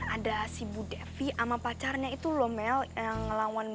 ada si bu devi ama pacarnya itu lomel yang lawan